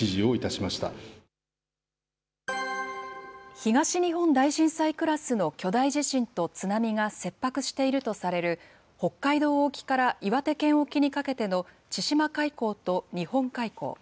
東日本大震災クラスの巨大地震と津波が切迫しているとされる、北海道沖から岩手県沖にかけての千島海溝と日本海溝。